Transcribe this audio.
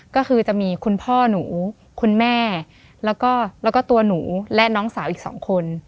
ก็คือจะมีคุณพ่อหนูคุณแม่แล้วก็ตัวหนูและน้องสาวอีก๒คน